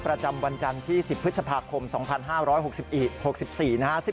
ประจำวันจันทร์ที่๑๐พฤษภาคมสองพันห้าร้อยหกสิบอีกหกสิบสีนะฮะ